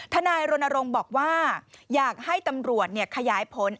นายรณรงค์บอกว่าอยากให้ตำรวจขยายผล